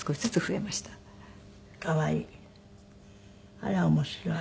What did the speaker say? あら面白い。